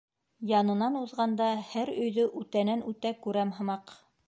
Янынан уҙғанда, һәр өйҙө үтәнән-үтә күрәм һымаҡ.